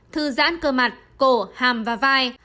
thư giãn cơ mặt cổ hàm và vai